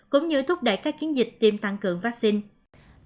cũng như thúc đẩy các chiến dịch tiêm tăng cường vaccine